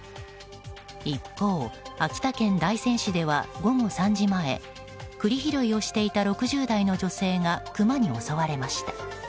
一方、秋田県大仙市では午後３時前栗拾いをしていた６０代の女性がクマに襲われました。